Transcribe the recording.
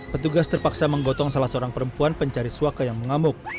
petugas terpaksa menggotong salah seorang perempuan pencari suaka yang mengamuk